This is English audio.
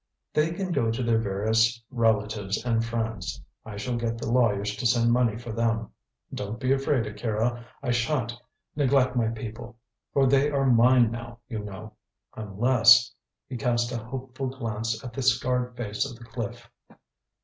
"They can go to their various relatives and friends. I shall get the lawyers to send money for them. Don't be afraid, Akira, I shan't neglect my people. For they are mine now, you know. Unless " he cast a hopeful glance at the scarred face of the cliff.